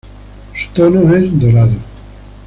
Su tono es dorado.